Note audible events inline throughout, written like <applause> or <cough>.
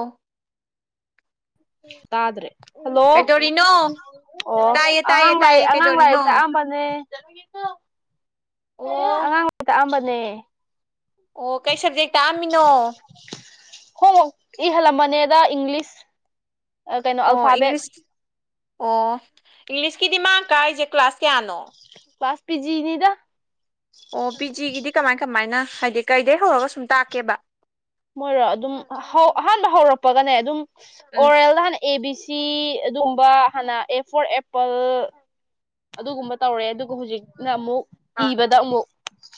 ꯑꯣ ꯇꯥꯗ꯭ꯔꯦ ꯍꯜꯂꯣ ꯀꯩꯗꯧꯔꯤꯅꯣ ꯑꯣ ꯇꯥꯏꯌꯦ ꯇꯥꯏꯌꯦ ꯑꯉꯥꯡ ꯇꯥꯏꯌꯦ ꯂꯥꯏꯔꯤꯛ ꯑꯉꯥꯡ ꯀꯩꯗꯧꯔꯤꯅꯣ ꯂꯥꯏꯔꯤꯛ ꯇꯥꯛꯑꯝꯕꯅꯦ ꯑꯣ ꯑꯉꯥꯡ ꯇꯥꯛꯑꯝꯕꯅꯦ ꯑꯣ ꯀꯩ ꯁꯕꯖꯦꯛ ꯇꯥꯛꯑꯝꯃꯤꯅꯣ ꯍꯣꯝ ꯋꯥꯔꯛ ꯏꯍꯜꯂꯝꯕꯅꯦꯗ ꯏꯪꯂꯤꯁ ꯀꯩꯅꯣ ꯑꯣ ꯑꯜꯐꯥꯕꯦꯠ ꯏꯪꯂꯤꯁ ꯑꯣ ꯏꯪꯂꯤꯁꯀꯤꯗꯤ ꯃꯥꯡ ꯀꯔꯤꯁꯦ ꯀ꯭ꯂꯥꯁ ꯀꯌꯥꯅꯣ ꯀꯂ꯭ꯥꯁ ꯄꯤꯖꯤꯅꯤꯗ ꯑꯣ ꯄꯤ ꯖꯤꯒꯤꯗꯤ ꯀꯃꯥꯏ ꯀꯃꯥꯏꯅ ꯍꯥꯏꯗꯤ ꯀꯩꯗꯒꯤꯍꯧꯔꯒ ꯁꯨꯝ ꯇꯥꯛꯀꯦꯕ ꯃꯣꯏꯔꯣ ꯑꯗꯨꯝ ꯑꯍꯥꯟꯕ ꯍꯧꯔꯛꯄꯒꯅꯦ ꯑꯗꯨꯝ ꯎꯝ ꯑꯣꯔꯦꯜꯗ ꯍꯥꯟꯅ ꯑꯦ ꯕꯤ ꯁꯤ ꯑꯗꯨꯝꯕ ꯍꯥꯟꯅ ꯑꯦ ꯐꯣꯔ ꯑꯦꯄꯜ ꯑꯗꯨꯒꯨꯝꯕ ꯇꯧꯔꯦ ꯑꯗꯨꯒ ꯍꯧꯖꯤꯛꯅ ꯑꯃꯨꯛ ꯑꯥ ꯏꯕꯗ ꯑꯃꯨꯛ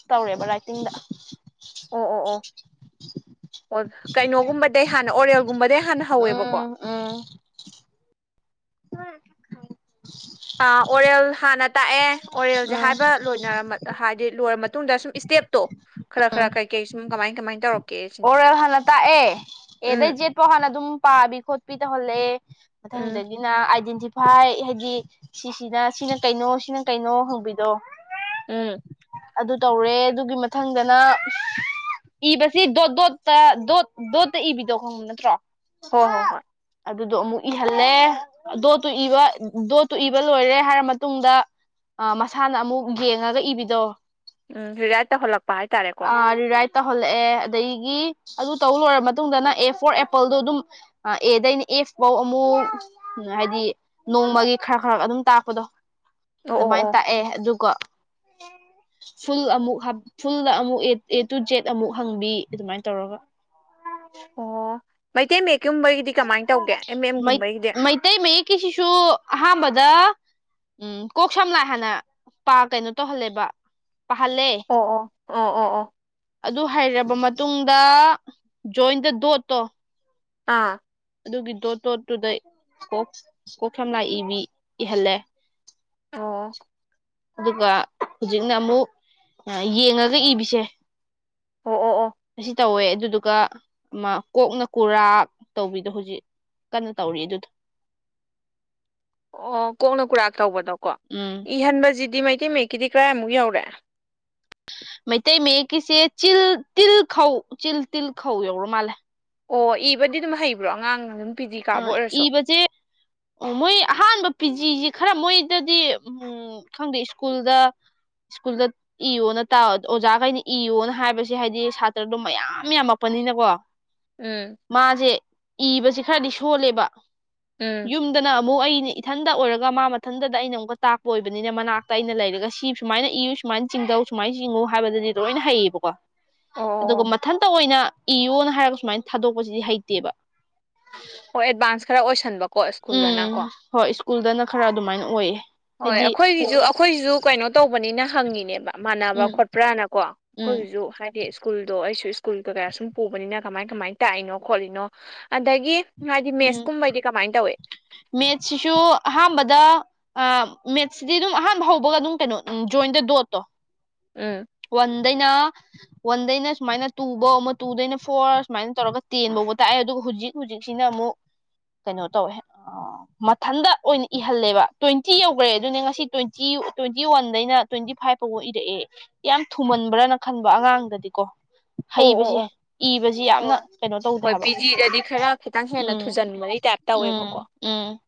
ꯇꯧꯔꯦꯕ ꯔꯥꯏꯇꯤꯡꯗ ꯑꯣ ꯑꯣ ꯑꯣ ꯑꯣ ꯀꯩꯅꯣꯒꯨꯝꯕꯗꯩ ꯍꯥꯟꯅ ꯑꯣꯔꯦꯜꯒꯨꯝꯕꯗꯩ ꯍꯥꯟꯅ ꯍꯧꯋꯦꯕꯀꯣ ꯎꯝ ꯎꯝ <unintelligible> ꯑ ꯑꯣꯔꯦꯜ ꯍꯥꯟꯅ ꯇꯥꯛꯑꯦ ꯑꯣꯔꯦꯜꯁꯦ ꯎꯝ ꯍꯥꯏꯕ ꯂꯣꯏ ꯍꯥꯏꯗꯤ ꯂꯣꯏꯔ ꯃꯇꯨꯡꯗ ꯁꯨꯝ ꯏꯁꯇꯦꯞꯇꯣ ꯈꯔ ꯈꯔ ꯀꯩ ꯀꯩ ꯁꯨꯝ ꯀꯃꯥꯏ ꯀꯃꯥꯏ ꯇꯧꯔꯛ ꯑꯣꯔꯦꯜ ꯍꯥꯟꯅ ꯇꯥꯛꯑꯦ ꯑꯦꯗꯩ ꯎꯝ ꯌꯦꯖꯠꯄꯥꯎ ꯍꯥꯟꯅ ꯑꯗꯨꯝ ꯄꯥꯕꯤ ꯈꯣꯠꯄꯤ ꯇꯧꯍꯜꯂꯦ ꯎꯝ ꯃꯊꯪꯗꯒꯤ ꯅ ꯑꯥꯏꯗꯦꯟꯇꯤꯐꯥꯏ ꯍꯥꯏꯗꯤ ꯁꯤꯁꯤꯅ ꯁꯤꯅ ꯀꯩꯅꯣ ꯁꯤꯅ ꯀꯩꯅꯣ ꯍꯪꯕꯤꯗꯣ ꯎꯝ ꯑꯗꯨ ꯇꯧꯔꯦ ꯑꯗꯨꯒꯤ ꯃꯊꯪꯗꯅ ꯏꯕ ꯁꯤ ꯗꯣꯠ ꯗꯣꯠꯇ ꯗꯣꯠ ꯗꯣꯠꯇ ꯏꯕꯤꯗꯣ ꯈꯪꯕ ꯅꯠꯇ꯭ꯔꯣ ꯍꯣꯏ ꯍꯣꯏ ꯍꯣꯏ ꯑꯗꯨꯗꯣ ꯑꯃꯨꯛ ꯏꯍꯜꯂꯦ ꯗꯣꯠꯇꯨ ꯏꯕ ꯗꯣꯠꯇꯨ ꯏꯕ ꯂꯣꯏꯔꯦ ꯍꯥꯏꯔ ꯃꯇꯨꯡꯗ ꯑ ꯃꯁꯥꯅ ꯑꯃꯨꯛ ꯌꯦꯡꯉꯒ ꯏꯕꯤꯗꯣ ꯎꯝ ꯔꯤꯔꯥꯏꯠ ꯇꯧꯍꯜꯂꯛ ꯑ ꯔꯤꯔꯥꯏꯠ ꯇꯧꯍꯜꯂꯛꯑꯦ ꯑꯗꯒꯤ ꯑꯗꯨ ꯇꯧ ꯂꯣꯏꯔ ꯃꯇꯨꯡꯗꯅ ꯑꯦ ꯐꯣꯔ ꯑꯦꯄꯜꯗꯣ ꯑꯗꯨꯝ ꯑ ꯑꯦꯗꯩꯅꯦ ꯑꯦꯐ ꯐꯧ ꯑꯃꯨꯛ ꯎꯝ ꯍꯥꯏꯗꯤ ꯅꯣꯡꯃꯒꯤ ꯈꯔ ꯈꯔ ꯑꯗꯨꯝ ꯇꯥꯛꯄꯗꯣ ꯑꯣ ꯑꯗꯨꯃꯥꯏꯅ ꯑꯣ ꯇꯥꯛꯑꯦ ꯑꯗꯨꯒꯣ ꯐꯨꯜ ꯑꯃꯨꯛ ꯐꯨꯜ ꯑꯃꯨꯛ ꯑꯦ ꯇꯨ ꯖꯦꯠ ꯑꯃꯨꯛ ꯍꯪꯕꯤ ꯑꯗꯨꯃꯥꯏꯅ ꯇꯧꯔꯒ ꯑꯣ ꯃꯩꯇꯩ ꯃꯌꯦꯛꯀꯨꯝꯕꯒꯤꯗꯤ ꯀꯃꯥꯏꯅ ꯇꯧꯒꯦ ꯑꯦꯝ ꯃꯩ ꯑꯦꯝꯒꯨꯝꯕꯒꯤꯗꯤ ꯃꯩꯇꯩ ꯃꯌꯦꯛ ꯀꯤꯁꯤꯁꯨꯨ ꯑꯍꯥꯥꯟꯕꯗ ꯎꯝ ꯀꯣꯛ ꯁꯝ ꯂꯥꯏ ꯍꯥꯟꯅ ꯄꯥ ꯀꯩꯅꯣ ꯇꯧꯍꯜꯂꯦꯕ ꯄꯥꯍꯜꯂꯦ ꯑꯣ ꯑꯣ ꯑꯣ ꯑꯣ ꯑꯣ ꯑꯗꯨ ꯍꯩꯔꯕ ꯃꯇꯨꯡꯗ ꯖꯣꯏꯟꯗ ꯗꯣꯠꯇꯣ ꯑꯥ ꯑꯗꯨꯒꯤ ꯗꯣꯠ ꯇꯣꯠꯇꯨꯗ ꯀꯣꯛ ꯀꯣꯛ ꯁꯝ ꯂꯥꯏ ꯏꯕꯤ ꯏꯍꯜꯂꯦ ꯑꯣ ꯑꯗꯨꯒ ꯍꯧꯖꯤꯛꯅ ꯑꯃꯨꯛ ꯌꯦꯡꯉꯒ ꯏꯕꯤꯁꯦ ꯑꯣ ꯑꯣ ꯑꯣ ꯑꯁꯤ ꯇꯧꯋꯦ ꯑꯗꯨꯗꯨꯒ ꯑꯃ ꯀꯣꯛꯅ ꯀꯨꯔꯥꯛ ꯇꯧꯕꯤꯗꯣ ꯍꯧꯖꯤꯛ ꯀꯟꯅ ꯇꯧꯔꯤ ꯑꯗꯨꯗꯣ ꯑꯣ ꯀꯣꯛꯅ ꯀꯨꯔꯥꯛ ꯇꯧꯕꯗꯣꯀꯣ ꯎꯝ ꯏꯍꯟꯕꯁꯤꯗꯤ ꯃꯩꯇꯩ ꯃꯌꯦꯛꯀꯤꯗꯤ ꯀꯔꯥꯏꯃꯨꯛ ꯌꯧꯔꯦ ꯃꯩꯇꯩ ꯃꯌꯦꯛꯀꯤꯁꯦ ꯆꯤꯜ ꯇꯤꯜ ꯈꯧ ꯆꯤꯜ ꯇꯤꯜ ꯈꯧ ꯌꯧꯔ ꯃꯥꯜꯂꯦ ꯑꯣ ꯏꯕꯗꯤ ꯑꯗꯨꯝ ꯍꯩꯕ꯭ꯔꯣ ꯑꯉꯥꯡꯅ ꯑꯗꯨꯝ ꯄꯤ ꯖꯤ ꯀꯥꯕ ꯎꯝ ꯑꯣꯏꯔꯁꯨ ꯏꯕꯁꯦ ꯃꯣꯏ ꯑꯍꯥꯟꯕ ꯄꯤꯖꯤꯁꯤ ꯈꯔ ꯃꯣꯏꯗꯗꯤ ꯎꯝ ꯎꯝ ꯈꯪꯗꯦ ꯁ꯭ꯀꯨꯜꯗ ꯁ꯭ꯀꯨꯜꯗ ꯏꯌꯣ ꯅ ꯇꯥ ꯑꯣꯖꯥꯈꯩꯅ ꯏꯌꯣꯅ ꯍꯥꯏꯕꯁꯦ ꯍꯥꯏꯗꯤ ꯁꯥꯇ꯭ꯔꯗꯣ ꯃꯌꯥꯝ ꯌꯥꯝꯃꯛꯄꯅꯤꯅꯀꯣ ꯎꯝ ꯃꯥꯁꯦ ꯏꯕꯁꯦ ꯈꯔꯗꯤ ꯁꯣꯜꯂꯦꯕ ꯎꯝ ꯌꯨꯝ ꯗꯅ ꯑꯃꯨꯛ ꯑꯩꯅ ꯏꯊꯟꯗ ꯑꯣꯏꯔꯒ ꯃꯥ ꯃꯊꯟꯇꯗ ꯑꯩꯅ ꯑꯃꯨꯛꯀ ꯇꯥꯛꯄ ꯑꯣꯏꯕꯅꯤꯅ ꯃꯅꯥꯛꯇ ꯑꯩꯅ ꯂꯩꯔꯒ ꯁꯤ ꯁꯨꯃꯥꯏꯅ ꯏꯌꯨ ꯁꯨꯃꯥꯏꯅ ꯆꯤꯡꯗꯧ ꯁꯨꯃꯥꯏꯅ ꯆꯤꯡꯉꯨ ꯍꯥꯏꯕꯗꯨꯗꯤ ꯂꯣꯏꯅ ꯍꯩꯌꯦꯕꯀꯣ ꯑꯣ ꯑꯣ ꯑꯗꯨꯒ ꯑꯣ ꯃꯊꯟꯇ ꯑꯣꯏꯅ ꯏꯌꯣꯅ ꯍꯥꯏꯔꯒ ꯁꯨꯃꯥꯏꯅ ꯊꯥꯗꯣꯛꯄꯁꯤꯗꯤ ꯍꯩꯇꯦꯕ ꯍꯣꯏ ꯑꯦꯗꯚꯥꯟꯁ ꯈꯔ ꯑꯣꯏꯁꯟꯕꯀꯣ ꯁ꯭ꯀꯨꯜꯗꯅꯀꯣ ꯎꯝ ꯍꯣꯏ ꯁ꯭ꯀꯨꯜꯗꯅ ꯈꯔ ꯑꯗꯨꯃꯥꯏꯅ ꯑꯣꯏꯌꯦ ꯍꯣꯏ ꯍꯥꯏꯗꯤ ꯑꯩꯈꯣꯏꯒꯤꯖꯨ ꯑꯩꯈꯣꯏꯒꯤꯖꯨ ꯀꯩꯅꯣ ꯇꯧꯕꯅꯤꯅ ꯍꯪꯉꯤꯅꯦꯕ ꯃꯥꯟꯅꯕ ꯎꯝ ꯈꯣꯠꯄ꯭ꯔꯥꯅ ꯀꯣ ꯎꯝ ꯑꯩꯈꯣꯏꯒꯤꯖꯨ ꯍꯥꯏ ꯍꯥꯏꯗꯤ ꯁ꯭ꯀꯨꯜꯗꯣ ꯑꯩꯁꯨ ꯁ꯭ꯀꯨꯜ ꯀꯩꯀꯌꯥ ꯁꯨꯝ ꯄꯨꯕꯅꯤꯅ ꯀꯃꯥꯏ ꯀꯃꯥꯏ ꯇꯥꯛꯏꯅꯣ ꯈꯣꯠꯂꯤꯅꯣ ꯑꯗꯒꯤ ꯍꯥꯏꯗꯤ ꯃꯦꯠꯁ ꯀꯨꯝꯕꯩꯗꯤ ꯀꯃꯥꯏ ꯇꯧꯋꯤ ꯃꯦꯠꯁꯤꯁꯨ ꯑꯍꯥꯟꯕꯗ ꯑ ꯃꯦꯠꯁꯁꯤꯗꯤ ꯑꯗꯨꯝ ꯑꯍꯥꯟꯕ ꯍꯧꯕꯒ ꯑꯗꯨꯝ ꯀꯩꯅꯣ ꯖꯣꯏꯟꯗ ꯗꯣꯠꯇꯣ ꯎꯝ ꯋꯥꯟꯗꯩꯅ ꯋꯥꯟꯗꯩꯅ ꯁꯨꯃꯥꯏꯅ ꯇꯨꯕꯧ ꯑꯃ ꯇꯨꯗꯩꯅ ꯐꯣꯔ ꯁꯨꯃꯥꯏꯅ ꯇꯧꯔꯒ ꯇꯦꯟꯕꯧꯕ ꯇꯥꯛꯑꯦ ꯑꯗꯨꯒ ꯍꯨꯖꯤꯛ ꯍꯨꯖꯤꯛꯁꯤꯅ ꯑꯃꯨꯛ ꯀꯩꯅꯣ ꯇꯧꯋꯦ ꯑꯣ ꯃꯊꯟꯇ ꯑꯣꯏꯅ ꯏꯍꯜꯂꯦꯕ ꯇ꯭ꯋꯦꯟꯇꯤ ꯌꯧꯒ꯭ꯔꯦ ꯑꯗꯨꯅꯦ ꯉꯁꯤ ꯇ꯭ꯋꯦꯟꯇꯤ ꯇ꯭ꯋꯦꯟꯇꯤ ꯋꯟꯗꯩꯅ ꯇ꯭ꯋꯦꯟꯇꯤ ꯐꯥꯏꯚ ꯐꯥꯎꯕ ꯏꯔꯛꯑꯦ ꯌꯥꯝ ꯊꯨꯃꯟꯕ꯭ꯔꯅ ꯈꯟꯕ ꯑꯉꯥꯡꯗꯗꯤꯀꯣ ꯑꯣ ꯑꯣ ꯍꯩꯕꯁꯦ ꯑꯣ ꯏꯕꯖꯤ ꯌꯥꯝꯅ ꯍꯣꯏ ꯀꯩꯅꯣ ꯇꯧꯗꯦ ꯍꯣꯏ ꯍꯥꯏꯕ ꯄꯤ ꯖꯤꯗꯗꯤ ꯈꯔ ꯈꯤꯇꯪ ꯍꯦꯟꯅ ꯎꯝ ꯊꯨꯖꯟꯕꯒꯤ ꯇꯥꯏꯞ ꯎꯝ ꯇꯧꯋꯦꯕꯀꯣ ꯎꯝ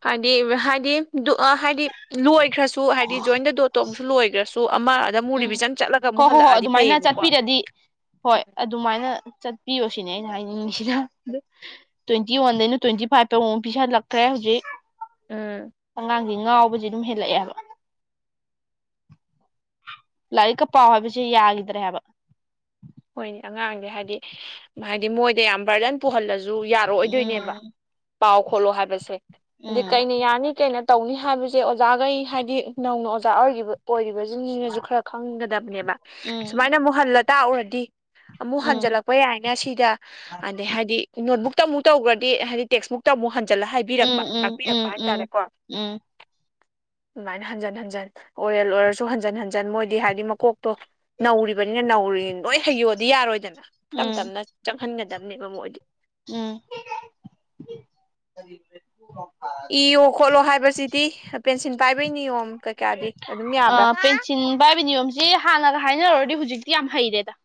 ꯍꯥꯏꯗꯤ ꯍꯥꯏꯗꯤ ꯗꯨꯑ ꯍꯥꯏꯗꯤ ꯂꯣꯏꯈ꯭ꯔꯁꯨ ꯗꯨ ꯍꯥꯏꯗꯤ ꯖꯣꯏꯟꯗ ꯗꯣꯠꯇꯣꯛꯁꯨ ꯂꯣꯏꯈ꯭ꯔꯁꯨ ꯑꯃ ꯑꯗ ꯑꯃꯨꯛ ꯔꯤꯚꯤꯖꯟ ꯆꯠꯂꯒ ꯑꯃꯨꯛ ꯍꯜꯂꯛꯑꯗꯤ ꯐꯩꯌꯦꯕꯀꯣ ꯑꯗꯤ ꯍꯣꯏ ꯑꯗꯨꯃꯥꯏꯅ ꯆꯠꯄꯤꯌꯣ ꯁꯤꯅꯤ ꯑꯩꯅ ꯍꯥꯏꯅꯤꯡꯉꯤꯁꯤꯅ ꯇ꯭ꯋꯦꯟꯇꯤ ꯋꯥꯟꯗꯩꯅ ꯇ꯭ꯋꯦꯟꯇꯤꯚꯥꯏꯇ ꯑꯃꯨꯛ ꯄꯤꯁꯜꯂꯛꯈ꯭ꯔꯦ ꯍꯧꯖꯤꯛ ꯎꯝ ꯑꯉꯥꯡꯖꯦ ꯉꯥꯎꯕꯖꯤ ꯑꯗꯨꯝ ꯍꯦꯜꯂꯛꯑꯦ ꯍꯥꯏꯕ ꯂꯥꯏꯔꯤꯛꯀ ꯄꯥꯎ ꯍꯥꯏꯕꯁꯦ ꯌꯥꯒꯤꯗꯔꯦ ꯍꯥꯏꯕ ꯍꯣꯏꯅꯦ ꯑꯉꯥꯡꯖꯦ ꯍꯥꯏꯗꯤ ꯍꯥꯏꯗꯤ ꯃꯣꯏꯗ ꯌꯥꯝ ꯕ꯭ꯔꯗꯟ ꯄꯨꯍꯜꯂꯁꯨ ꯨ ꯖꯨ ꯌꯥꯔꯛꯑꯣꯏꯗꯣꯏꯅꯦꯕ ꯎꯝ ꯄꯥꯎ ꯈꯣꯠꯂꯣ ꯍꯥꯏꯕꯁꯦ ꯑꯗꯤ ꯎꯝ ꯀꯩꯅ ꯌꯥꯅꯤ ꯀꯩꯅ ꯇꯧꯅꯤ ꯍꯥꯏꯕꯁꯦ ꯑꯣꯖꯥꯒꯩ ꯍꯥꯏꯗꯤ ꯅꯧꯅ ꯑꯣꯖꯥ ꯑꯣꯏꯒꯤꯕ ꯑꯣꯏꯔꯤꯕꯖꯤꯡꯖꯤꯅꯖꯨ ꯈꯔ ꯈꯪꯒꯗꯕꯅꯦꯕ ꯎꯝ ꯁꯨꯃꯥꯏꯅ ꯑꯃꯨꯛ ꯍꯜꯂ ꯇꯥꯛꯎꯔꯗꯤ ꯑꯃꯨꯛ ꯎꯝ ꯍꯟꯖꯜꯂꯛꯄ ꯌꯥꯏꯅ ꯁꯤꯗ ꯑꯗꯩ ꯍꯥꯏꯗꯤ ꯅꯣꯠꯕꯨꯛꯇ ꯑꯃꯨꯛ ꯇꯧꯒ꯭ꯔꯗꯤ ꯍꯥꯏꯗꯤ ꯇꯦꯛꯁꯕꯨꯛꯇ ꯑꯃꯨꯛ ꯍꯟꯖꯜꯂ ꯍꯥꯏꯕꯤꯔꯛꯄ ꯎꯝ ꯎꯝ ꯇꯥꯛꯄꯤꯔꯛꯄ ꯎꯝ ꯍꯥꯏꯇꯥꯔꯦꯀꯣ ꯎꯝ ꯑꯗꯨꯃꯥꯏꯅ ꯍꯟꯖꯤꯟ ꯍꯟꯖꯤꯟ ꯑꯣꯔꯦꯜ ꯑꯣꯏꯔꯁꯨ ꯍꯟꯖꯤꯟ ꯍꯟꯖꯤꯟ ꯃꯣꯏꯗꯤ ꯍꯥꯏꯗꯤ ꯃꯀꯣꯛ ꯇꯣ ꯅꯧꯔꯤꯕꯅꯤꯅ ꯅꯧꯔꯤꯟ ꯂꯣꯏ ꯍꯩꯌꯣꯗꯤ ꯌꯥꯔꯣꯏꯗꯅ ꯇꯝ ꯎꯝ ꯇꯞꯅ ꯆꯪꯍꯟꯒꯗꯕꯅꯦꯕ ꯃꯣꯏꯗꯤ ꯎꯝ <unintelligible> ꯏꯌꯣ ꯈꯣꯠꯂꯣ ꯍꯥꯏꯕꯁꯤꯗꯤ ꯄꯦꯟꯁꯤꯟ ꯄꯥꯏꯕꯩ ꯅꯤꯌꯣꯝ ꯀꯩꯀ꯭ꯌꯥꯗꯤ ꯑ ꯄꯦꯟꯁꯤꯟ ꯄꯥꯏꯕꯩ ꯅꯤꯌꯣꯝꯁꯤ ꯍꯥꯟꯅꯒ ꯍꯥꯏꯅꯔꯣꯗꯤ ꯍꯨꯖꯤꯛꯇꯤ ꯌꯥꯝ ꯍꯩꯔꯦꯗ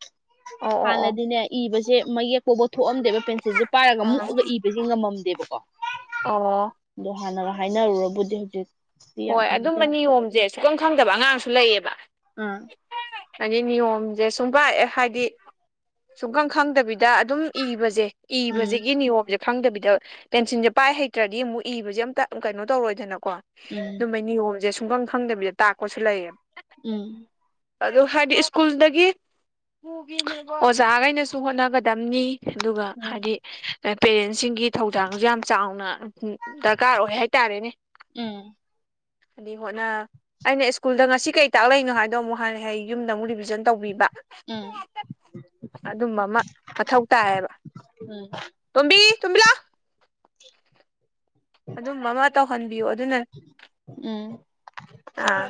ꯑꯣ ꯑꯣ ꯍꯥꯟꯅꯗꯤꯅꯦ ꯏꯕꯁꯦ ꯃꯌꯦꯛ ꯄꯧꯕ ꯊꯣꯛꯑꯝꯗꯦꯕ ꯄꯦꯟꯁꯤꯟꯁꯦ ꯄꯥꯏꯔꯒ ꯑꯣ ꯃꯨꯛꯑꯒ ꯏꯕꯖꯦ ꯉꯝꯃꯝꯗꯦꯕꯀꯣ ꯑꯣ ꯑꯗꯣ ꯍꯥꯟꯅꯒ ꯍꯥꯏꯅꯔꯨꯔꯕꯨꯗꯤ ꯍꯧꯖꯤꯛ ꯍꯣꯏ ꯑꯗꯨꯝꯕ ꯅꯤꯌꯣꯝꯖꯦ ꯁꯨꯈꯪ ꯈꯪꯗꯕ ꯑꯉꯥꯡꯁꯨ ꯂꯩꯌꯦꯕ ꯎꯝ ꯍꯥꯏꯗꯤ ꯅꯤꯌꯣꯝꯁꯦ ꯁꯨꯡꯕꯥꯛꯑꯦ ꯍꯥꯏꯗꯤ ꯁꯨꯡꯈꯪ ꯈꯪꯗꯕꯤꯗ ꯑꯗꯨꯝ ꯏꯕꯖꯦ ꯎꯝ ꯏꯕꯖꯤꯒꯤ ꯅꯤꯌꯣꯝꯖꯦ ꯈꯪꯗꯕꯤꯗ ꯄꯦꯟꯁꯤꯟꯖꯦ ꯄꯥꯏ ꯍꯩꯇ꯭ꯔꯗꯤ ꯑꯃꯨꯛ ꯏꯕꯖꯦ ꯑꯝꯇ ꯀꯩꯅꯣ ꯇꯧꯔꯣꯏꯗꯅꯀꯣ ꯎꯝ ꯑꯗꯨꯝꯕꯩ ꯅꯤꯌꯣꯝꯁꯦ ꯁꯨꯡꯈꯪ ꯈꯪꯗꯕꯤꯗ ꯇꯥꯛꯄꯁꯨ ꯂꯩꯌꯦꯕ ꯎꯝ ꯑꯗꯨ ꯍꯥꯏꯗꯤ ꯁ꯭ꯀꯨꯜꯗꯒꯤ ꯑꯣꯖꯥꯒꯩꯅꯁꯨ ꯍꯣꯠꯅꯒꯗꯝꯅꯤ ꯑꯗꯨꯒ ꯍꯥꯏꯗꯤ ꯄꯦꯔꯦꯟꯁꯤꯡꯒꯤ ꯊꯧꯗꯥꯡꯖꯨ ꯌꯥꯝ ꯆꯥꯎꯅ ꯗ꯭ꯔꯀꯥꯔ ꯑꯣꯏ ꯍꯥꯏꯇꯥꯔꯦꯅꯦ ꯎꯝ ꯍꯥꯏꯗꯤ ꯍꯣꯠꯅ ꯑꯩꯅ ꯁ꯭ꯀꯨꯜꯗ ꯉꯁꯤ ꯀꯩ ꯇꯥꯛꯂꯛꯏꯅꯣ ꯍꯥꯏꯗꯣ ꯑꯃꯨꯛ ꯍꯥꯏꯅ ꯍꯩ ꯌꯨꯝꯗ ꯑꯃꯨꯛ ꯔꯤꯚꯤꯖꯟ ꯇꯧꯕꯤꯕ꯫ ꯎꯝ ꯎꯝ ꯑꯗꯨꯝꯕ ꯑꯃ ꯃꯊꯧ ꯇꯥꯏꯌꯦꯕ꯫ ꯎꯝ ꯇꫭꯝꯕꯤ ꯇꫭꯝꯕꯤ ꯂꯥꯑꫭ꯫ ꯑꯗꯨꯝ ꯑꯃ ꯇꯧꯍꯟꯕꯤꯌꯣ ꯑꯗꯨꯅ ꯎꯝ ꯑꯥ꯫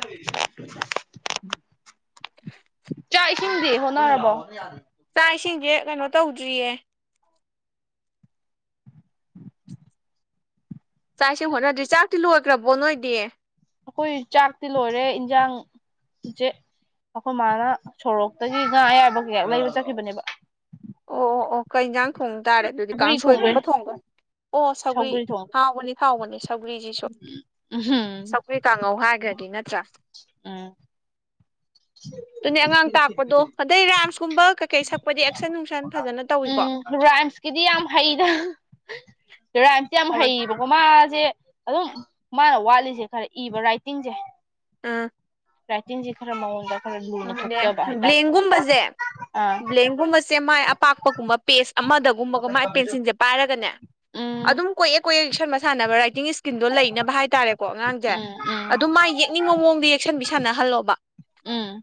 ꯆꯥꯛ ꯏꯁꯤꯡꯗꯤ ꯍꯣꯠꯅꯔꯕꯣ꯫ ꯆꯥꯛ ꯑꯩꯈꯣꯏ ꯏꯁꯤꯡꯁꯦ ꯀꯩꯅꯣ ꯇꯧꯗ꯭ꯔꯤꯌꯦ꯫ ꯆꯥꯛ ꯏꯁꯤꯡ ꯍꯣꯠꯅꯗ꯭ꯔꯤ ꯆꯥꯛ ꯏꯁꯤꯡ ꯂꯣꯏꯒ꯭ꯔꯕꯣ ꯅꯣꯏꯗꯤ꯫ ꯑꯩꯈꯣꯏ ꯆꯥꯛꯇꯤ ꯂꯣꯏꯔꯦ ꯏꯟꯁꯥꯡ ꯆꯦ ꯑꯈꯣꯏ ꯃꯥꯅ ꯁꯣꯔꯣꯛꯇꯒꯤ ꯉꯥ ꯑꯌꯥꯏꯕ ꯀꯩꯀ ꯂꯩꯕ ꯆꯠꯈꯤꯕꯅꯦꯕ꯫ ꯑꯣ ꯑꯣ ꯑꯣ ꯀꯩ ꯏꯟꯖꯥꯡ ꯊꯣꯡ ꯇꯥꯔꯦ ꯑꯗꯨꯗꯤ ꯁꯧꯒ꯭ꯔꯤ ꯀꯥꯡꯁꯣꯏꯒꯨꯝꯕ ꯊꯣꯡꯗꯣꯏꯅꯤ ꯊꯣꯡꯕ꯫ ꯑꯣ ꯁꯧꯒꯔꯤ ꯁꯧꯒ꯭ꯔꯤ ꯊꯣꯡ ꯍꯥꯎꯕꯅꯤ ꯍꯥꯎꯕꯅꯤ ꯁꯧꯒ꯭ꯔꯤꯁꯤꯁꯨ꯫ <unintelligible> ꯁꯧꯒ꯭ꯔꯤ ꯀꯥꯡꯉꯧ ꯍꯥꯏꯒ꯭ꯔꯗꯤ ꯅꯠꯇ꯭ꯔꯥ꯫ ꯎꯝ꯫ ꯑꯗꯨꯅꯦ ꯑꯉꯥꯡ ꯇꯥꯛꯄꯗꯣ ꯑꯗꯩ ꯔꯥꯝꯁꯀꯨꯝꯕ ꯀꯩꯀꯩ ꯁꯛꯄꯗꯤ ꯑꯦꯛꯁꯟ ꯅꯨꯡꯁꯟ ꯐꯖꯅ ꯇꯧꯏꯀꯣ꯫ ꯔꯥꯏꯝꯁ ꯀꯤꯗꯤ ꯌꯥꯝ ꯍꯩꯗ ꯔꯥꯏꯝꯁꯇꯤ ꯌꯥꯝ ꯇꯧꯋꯦ ꯍꯩꯕ꯫ ꯀꫭ ꯃꯥꯁꯦ ꯑꯗꯨꯝ ꯃꯥꯅ ꯋꯥꯠꯂꯤꯁꯦ ꯈꯔ ꯏꯕ ꯔꯥꯏꯇꯤꯡꯁꯦ꯫ ꯑꯥ꯫ ꯔꯥꯏꯇꯤꯡ ꯖꯤ ꯈꯔ ꯃꯥꯑꯣꯡꯗ ꯑꯗꯦ ꯕ꯭ꯂꯦꯡꯒꯨꯝꯕꯁꯦ ꯑꯥ ꯕ꯭ꯂꯦꯡꯒꯨꯝꯕꯁꯦ ꯃꯥꯏ ꯑꯄꯥꯛꯄꯒꯨꯝꯕ ꯄꯦꯁ ꯑꯃꯗꯒꯨꯝꯕꯒ ꯃꯥꯏ ꯄꯦꯟꯁꯤꯟꯁꯦ ꯄꯥꯏꯔꯒꯅꯦ ꯎꯝ ꯑꯗꯨꯝ ꯀꯣꯏꯌꯦꯛ ꯀꯣꯏꯌꯦꯛ ꯌꯦꯛꯁꯟꯕ ꯁꯥꯟꯅꯕ ꯔꯥꯏꯇꯤꯡ ꯏꯁꯀꯤꯟꯗꯣ ꯂꯩꯅꯕ ꯍꯥꯏꯇꯥꯔꯦꯀꯣ ꯑꯉꯥꯡꯁꯦ ꯎꯝ ꯑꯗꯨꯝ ꯃꯥꯏ ꯌꯦꯛ ꯅꯤꯡꯕ ꯃꯑꯣꯡꯗ ꯌꯦꯛꯁꯟꯕꯤ ꯁꯥꯟꯅꯍꯜꯂꯣꯕ꯫ ꯎꯝ꯫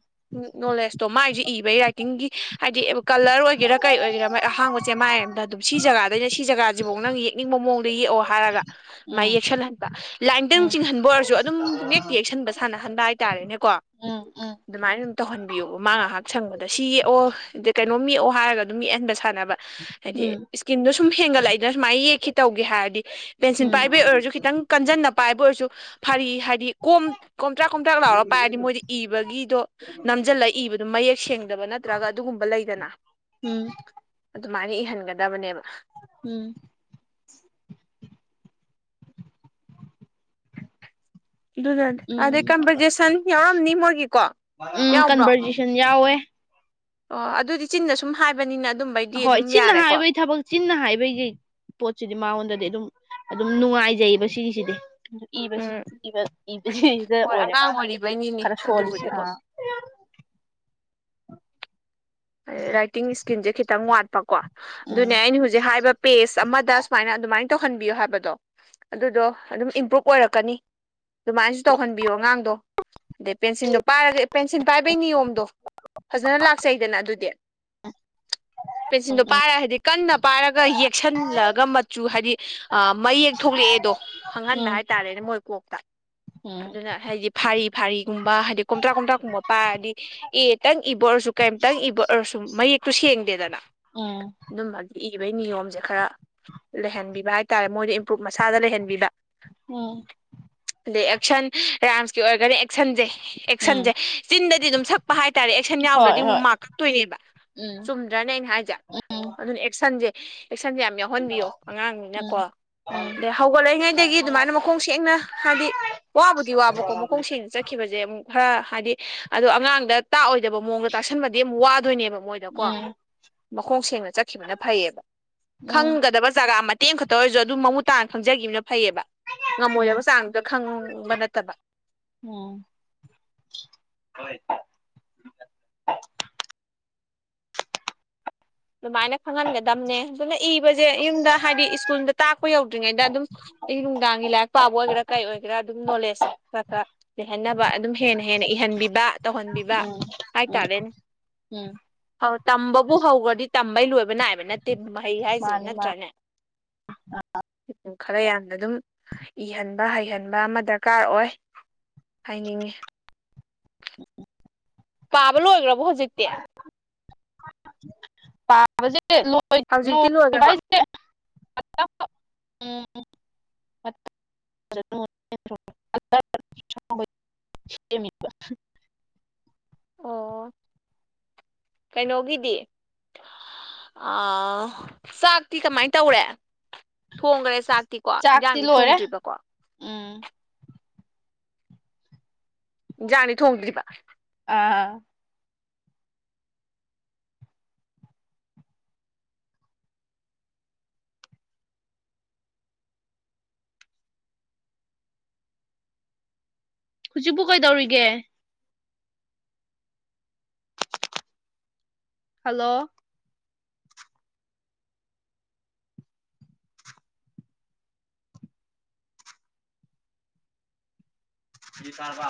ꯅꯣꯂꯦꯖꯇꯣ ꯃꯥꯥꯏꯁꯤ ꯏꯕꯒꯤ ꯔꯥꯏꯇꯤꯡꯒꯤ ꯍꯥꯏꯗꯤ ꯀꯂꯔ ꯑꯣꯏꯒꯦꯔꯥ ꯀꯩ ꯑꯣꯏꯒꯦꯔꯥ ꯃꯥꯥꯏ ꯑꯍꯥꯡꯕ ꯆꯦꯃꯥꯏ ꯑꯝꯗ ꯑꯗꯨꯝ ꯁꯤ ꯖꯒꯥꯗꯩꯅ ꯁꯤ ꯖꯒꯥꯁꯤꯐꯥꯎ ꯅꯪ ꯌꯦꯛꯅꯤꯡꯕ ꯃꯑꯣꯡꯗ ꯌꯦꯛꯑꯣ ꯍꯥꯏꯔꯒ꯫ ꯃꯥꯏ ꯎꯝ ꯌꯦꯛꯁꯟꯍꯟꯕ ꯂꯥꯏꯟꯇꯪ ꯎꯝ ꯎꯝ ꯆꯤꯡꯍꯟꯕ ꯑꯣꯏꯔꯁꯨ ꯑꯗꯨꯝ ꯄꯨꯡꯌꯦꯛꯇ ꯌꯦꯛꯁꯟꯕ ꯁꯥꯟꯅꯍꯟꯕ ꯍꯥꯏꯇꯥꯔꯦꯅꯦꯀꯣ꯫ ꯎꯝ ꯎꯝ ꯑꯗꯨꯃꯥꯏꯅ ꯑꯗꯨꯝ ꯇꯧꯍꯟꯕꯤꯌꯣꯕ ꯃꯥ ꯉꯥꯏꯍꯥꯛ ꯁꯪꯕꯗ ꯁꯤ ꯌꯦꯛꯑꯣ ꯀꯩꯅꯣꯝ ꯌꯦꯛꯑꯣ ꯍꯥꯏꯔꯒ ꯑꯗꯨꯝ ꯌꯦꯛꯍꯟꯕ ꯁꯥꯟꯅ ꯕ ꯍꯥꯏꯗꯤ ꯏꯁꯀꯤꯟꯗꯣ ꯁꯨꯝ ꯍꯦꯟꯒꯠꯂꯛꯏꯗ ꯁꯨꯃꯥꯏꯅ ꯌꯦꯛꯈꯤ ꯇꯧꯒꯦ ꯍꯥꯏꯔꯗꯤ꯫ ꯄꯦꯟꯁꯤꯜ ꯎꯝ ꯄꯥꯏꯕꯩ ꯎꯝ ꯑꯣꯏꯔꯁꯨ ꯈꯤꯇꯪ ꯀꯟꯖꯟꯅ ꯄꯥꯏꯕ ꯑꯣꯏꯔꯁꯨ ꯐꯔꯤ ꯍꯥꯏꯗꯤ ꯀꯣꯝ ꯀꯣꯝꯇ꯭ꯔꯥꯛ ꯀꯣꯝꯇ꯭ꯔꯥꯛ ꯂꯥꯎꯔ ꯄꯥꯏꯔꯗꯤ ꯃꯣꯏꯗꯤ ꯕꯒꯤꯗꫭ ꯅꯝꯖꯜꯂ ꯏꯕꯗ ꯃꯌꯦꯛ ꯁꯦꯡꯗꯕ ꯅꯠꯇ꯭ꯔꯒ ꯑꯗꯨꯒꯨꯝꯕ ꯂꯩꯗꯅ꯫ ꯎꯝ ꯑꯗꯨꯃꯥꯏꯅ ꯏꯍꯟꯒꯗꯕꯅꯦꯕ꯫ ꯎꯝ꯫ <unintelligible> ꯑꯗꯨꯅꯅꯦ ꯑꯗꯩ ꯎꯝ ꯀꯝꯄꯖꯤꯁꯟ ꯌꯥꯎꯔꯝꯅꯤ ꯃꯣꯏꯒꯤꯀꯣ ꯎꯝ ꯌꯥꯎꯕ꯭ꯔꯣ꯫ ꯀꯟꯚꯔꯖꯦꯁꯟ ꯌꯥꯎꯋꯦ꯫ ꯑꯣ ꯑꯗꯨꯗꯤ ꯆꯤꯟꯅ ꯁꯨꯝ ꯍꯥꯏꯕꯅꯤꯅ ꯑꯗꯨꯝꯕꯩ ꯍꯣꯏ ꯆꯤꯟꯅ ꯍꯥꯏꯕꯩ ꯊꯕꯛ ꯆꯤꯟꯅ ꯍꯥꯏꯕꯩꯩꯒꯩ ꯄꯣꯠꯁꯤꯗꯤ ꯃꯥꯉꯣꯟꯗꯗꯤ ꯑꯗꯨꯝ ꯑꯗꯨꯝ ꯅꯨꯡꯉꯥꯏꯖꯩꯌꯦꯕ ꯁꯤꯒꯤꯁꯤꯗꯤ꯫ ꯑꯗꯨ ꯏꯕꯁꯤ ꯎꯝ ꯏꯕ ꯏꯕꯁꯤꯗ ꯍꯣꯏ ꯑꯣꯏꯔꯦ ꯑꯉꯥꯡ ꯃꯥꯅ ꯑꯣꯏꯔꯤꯕꯩꯅꯤꯅꯦ ꯈꯔ ꯁꯣꯜꯂꯤꯁꯦ ꯑꯗꯨꯕꯨꯗꯤ ꯍꯣꯏ ꯑꯥ꯫ ꯔꯥꯏꯇꯤꯡ ꯏꯁꯀꯤꯟꯁꯦ ꯈꯤꯇꯪ ꯋꯥꯠꯄꯀꯣ ꯎꯝ ꯑꯗꯨꯅꯦ ꯑꯩꯅ ꯍꯧꯖ ꯖꯤꯛ ꯍꯥꯏꯕ ꯄꯦꯁ ꯑꯃꯗ ꯁꯨꯃꯥꯏꯅ ꯑꯗꯨꯃꯥꯏꯅ ꯇꯧꯍꯟꯕꯤꯌꯣ ꯍꯥꯏꯕꯗꯣ꯫ ꯑꯗꯨꯗꯣ ꯑꯗꯨꯝ ꯏꯝꯄ꯭ꯔꯨꯚ ꯑꯣꯏꯔꯛꯀꯅꯤ ꯑꯗꯨꯃꯥꯏꯅꯁꯨ ꯇꯧꯍꯟꯕꯤꯌꯣ ꯑꯉꯥꯡꯗꯣ꯫ ꯗꯩ ꯄꯦꯟꯁꯤꯜꯗꯣ ꯄꯥꯏꯔꯒ ꯄꯦꯟꯁꯤꯟ ꯄꯥꯏꯕꯩ ꯅꯤꯌꯣꯝꯗꯣ ꯐꯖꯅ ꯂꯥꯛꯆꯩꯗꯅ ꯑꯗꯨ ꯗꯤ ꯄꯦꯟꯁꯤꯟꯗꯣ ꯄꯥꯏꯔ ꯍꯥꯏꯗꯤ ꯀꯟꯅ ꯄꯥꯏꯔꯒ ꯌꯦꯛꯁꯟꯂꯒ ꯃꯆꯨ ꯍꯥꯏꯗꯤ ꯑꯥ ꯃꯌꯦꯛ ꯊꯣꯛꯂꯛꯑꯦꯗꯣ ꯈꯪꯍꯟꯕ ꯎꯝ ꯍꯥꯏꯇꯥꯔꯦꯅꯦ ꯃꯣꯏ ꯀꯣꯛꯇ ꯎꯝ ꯑꯗꯨꯅ ꯍꯥꯏꯗꯤ ꯐꯥꯔꯤ ꯐꯥꯔꯤꯒꯨꯝꯕ ꯍꯥꯏꯗꯤ ꯀꯣꯝꯊ꯭ꯔꯥꯛ ꯀꯣꯝꯊ꯭ꯔꯥꯛꯀꯨꯝꯕ ꯄꯥꯔꯗꯤ ꯑꯦꯇꯪ ꯏꯕꯔꯁꯨ ꯀꯩꯝꯇꯪ ꯏꯕ ꯑꫭꯔꯁꯨꯝ ꯃꯌꯦꯛꯇꯨ ꯁꯦꯡꯗꯦꯗꯅ꯫ ꯎꯝ ꯑꯗꯨꯝꯕꯒꯤ ꯏꯒꯤꯕꯩ ꯅꯤꯌꯣꯝꯖꯦ ꯈꯔ ꯂꯩꯍꯟꯕꯤꯕ ꯍꯥꯏꯇꯥꯔꯦ ꯃꯣꯏꯗ ꯏꯝꯄ꯭ꯔꯨꯨꯞ ꯃꯁꯥꯗ ꯂꯩꯍꯟꯕꯤꯕ ꯎꯝ ꯑꯗꯩ ꯑꯦꯛꯁꯟ ꯔꯥꯝꯁꯀꯤ ꯑꯣꯏꯔꯒꯅ ꯑꯦꯛꯁꯟꯖꯦ ꯎꯝ ꯑꯦꯛꯁꯟꯖꯦ ꯆꯤꯟꯗꯗꯤ ꯑꯗꯨꯝ ꯁꯛꯄ ꯍꯥꯏꯇꯥꯔꯦ ꯑꯦꯛꯁꯟ ꯍꯣꯏ ꯌꯥꯎꯗ꯭ꯔꯗꯤ ꯑꯃꯨꯛ ꯍꯣꯏ ꯃꯥꯥꯛꯀꯛꯇꯣꯏꯅꯦꯕ ꯎꯝ ꯆꯨꯝ ꯗꯔꯅꯦ ꯑꯩꯅ ꯍꯥꯏꯖꯦ ꯎꯝ ꯑꯗꯨꯅ ꯑꯦꯛꯁꯟꯖꯦ ꯑꯦꯛꯁꯟꯖꯦ ꯌꯥꯝ ꯌꯥꯎꯍꯟꯕꯤꯌꯣ ꯎꯝ ꯑꯉꯥꯡꯅꯤꯅꯀꯣ ꯎꯝ ꯑꯗꯩ ꯍꯧꯒꯠꯂꯛꯏꯉꯩꯗꯒꯤ ꯑꯗꯨꯃꯥꯏꯅ ꯃꯈꯣꯡ ꯁꯦꯡꯅ ꯍꯥꯏꯗꯤ ꯋꯥꯕꯨꯗꯤ ꯋꯥꯕꯀꯣ ꯃꯈꯣꯡ ꯁꯦꯡꯅ ꯈꯤꯕꯖꯦ ꯑꯃꯨꯛ ꯈꯔ ꯍꯥꯏꯗꯤ ꯑꯗꯣ ꯑꯉꯥꯡꯗ ꯇꯥꯛꯑꯣꯏꯗꯕ ꯃꯑꯣꯡꯗ ꯇꯥꯁꯟꯕꯗꯤ ꯑꯃꯨꯛ ꯋꯥꯗꯣꯏꯅꯦꯕ ꯃꯣꯏꯗ ꯎꯝ ꯅꯤꯅꯀꫭ ꯎꯝ ꯃꯈꯣꯡ ꯁꯦꯡꯅ ꯆꯠꯈꯤꯕꯅ ꯐꯩꯌꯦꯕ ꯎꯝ ꯈꯪꯒꯗꯕ ꯖꯒꯥ ꯃ ꯇꯦꯝꯈꯛꯇ ꯑꯣꯏꯔꯖꯨ ꯑꯗꯨꯝ ꯃꯃꯨꯠ ꯇꯥꯅ ꯈꯪꯖꯒꯤꯈꯤꯕꯅ ꯐꯩꯌꯦꯕ ꯉꯝꯃꯣꯏꯗꯕ ꯆꯥꯡꯗꯨꯗ ꯈꯪꯕ ꯅꯠꯇꯕ ꯎꯝ ꯍꫭꯏ ꯑꯗꯨꯃꯥꯏꯅ ꯈꯪꯍꯟꯒꯗꯝꯅꯦ ꯑꯗꯨꯅ ꯏꯕꯖꯦ ꯌꯨꯝꯗ ꯍꯥꯏꯗꯤ ꯏꯁ꯭ꯀꯨꯜꯗ ꯇꯥꯛꯄ ꯌꯧꯗ꯭ꯔꯤꯉꯩꯗ ꯑꯗꯨꯝ ꯑꯌꯨꯛ ꯅꯨꯡꯗꯥꯡꯒꯤ ꯂꯥꯏꯔꯤꯛ ꯄꯥꯕ ꯑꯣꯏꯒꯦꯔꯥ ꯀꯩ ꯑꫭꯏꯒꯦꯔꯥ ꯑꯗꯨꯝ ꯅꯣꯂꯦꯁꯁꯦ ꯈꯔ ꯈꯔ ꯂꯩꯍꯟꯅꯕ ꯑꯗꯨꯝ ꯍꯦꯟꯅ ꯍꯦꯟꯅ ꯏꯍꯟꯕꯤꯕ ꯇꯧꯍꯟꯕꯤꯕ ꯎꯝ ꯎꯝ ꯍꯥꯏꯇꯥꯔꯦꯅꯦ ꯎꯝ ꯎꯝ ꯑꯧ ꯇꯝꯕꯕꯨ ꯍꯧꯒꯔꯗꯤ ꯇꯝꯕꯩ ꯂꯣꯏꯕ ꯅꯥꯏꯕ ꯅꯠꯇꯦ ꯃꯍꯩ ꯍꯥꯏꯖꯦ ꯃꯥꯅꯤ ꯃꯥꯅꯤ ꯅꯠꯇ꯭ꯔꯅꯦ ꯎꯝ ꯈꯔ ꯌꯥꯝꯅ ꯑꯗꯨꯝ ꯏꯍꯟꯕ ꯍꯩꯍꯟꯕ ꯑꯃ ꯗꯔꯀꯥꯔ ꯑꯣꯏ ꯍꯥꯏꯅꯤꯡꯉꯤ ꯄꯥꯕ ꯂꫭꯏꯒ꯭ꯔꯕꫭ ꯍꯧꯖꯤꯛ ꯄꯖꯦ <unintelligible> ꯂꯣꯏ ꯍꯧꯖꯤꯛꯇꯤ ꯂꯣꯏꯈ꯭ꯔꯕ ꯂꯣꯏ ꯎꯝ <unintelligible> <unintelligible> ꯑꯣ ꯀꯩꯅꯣꯒꯤꯗꯤ ꯑ ꯆꯥꯛꯇꯤ ꯀꯃꯥꯏ ꯇꯧꯔꯦ ꯊꯣꯡꯈꯔꯦ ꯆꯥꯛ ꯇꯤꯀꯣ ꯆꯥꯛꯇꯤ ꯏꯟꯖꯥꯡꯗꯤ ꯂꯣꯏꯔꯦ ꯊꯣꯡꯗ꯭ꯔꯤꯕꯀꯣ ꯎꯝ ꯏꯟꯖꯥꯡꯗꯤ ꯊꯣꯡꯗ꯭ꯔꯤꯕ ꯑ ꯍꯧꯖꯤꯛꯄꯨ ꯀꯩꯗꯧꯔꯤꯒꯦ ꯍꯜꯂꯣ ꯁꯤ ꯇꯥꯔꯕ